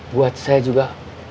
buat saya juga